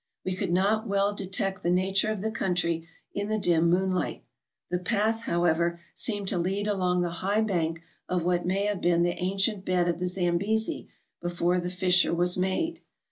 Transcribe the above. We could not well detect the nature of the country in the dim moonlight; the path, how ever, seemed to lead along the high bank of what may have been the ancient bed of the Zambesi before the fissure was made.